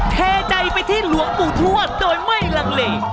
เทใจไปที่หลวงปู่ทวดโดยไม่ลังเล